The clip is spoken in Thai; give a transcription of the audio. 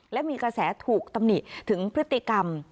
และมีกระแสถูกตำหนิถึงพฤติกรรม